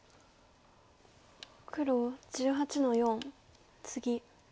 黒１８の四ツギ。